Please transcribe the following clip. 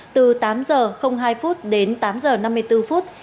từ tám giờ hai phút đến tám giờ năm mươi bốn phút